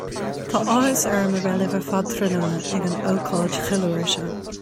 Tá áthas orm a bheith libh ar fad tráthnóna ag an ócáid cheiliúrtha seo